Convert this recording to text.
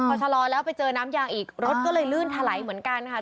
พอชะลอแล้วไปเจอน้ำยางอีกรถก็เลยลื่นถลายเหมือนกันค่ะ